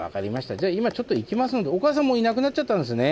じゃあ今ちょっと行きますんでお母さんもういなくなっちゃったんですね？